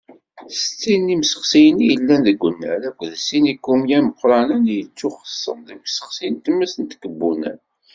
Settin n yimsexsiyen i yellan deg unnar akked sin n yikumya imeqqranen i yettuxeṣṣen deg usexsi n tmes n tkebbunay.